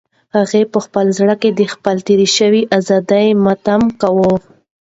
هغې په زړه کې د خپلې تېرې شوې ازادۍ ماتم کاوه.